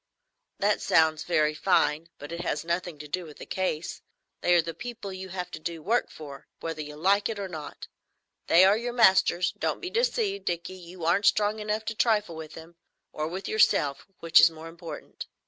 "That sounds very fine, but it has nothing to do with the case. They are the people you have to do work for, whether you like it or not. They are your masters. Don't be deceived, Dickie, you aren't strong enough to trifle with them,—or with yourself, which is more important.